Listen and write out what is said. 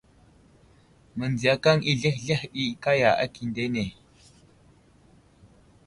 Mənziyakaŋ i zləhəzləhe ɗi kaya akindene.